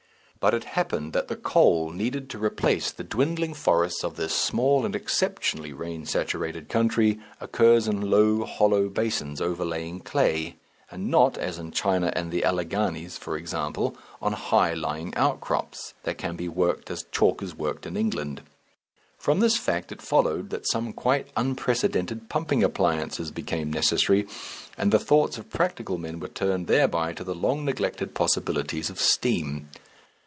But it happened that the coal needed to replace the dwindling forests of this small and exceptionally rain saturated country occurs in low hollow basins overlying clay, and not, as in China and the Alleghanies for example, on high lying outcrops, that can be worked as chalk is worked in England. From this fact it followed that some quite unprecedented pumping appliances became necessary, and the thoughts of practical men were turned thereby to the long neglected possibilities of steam.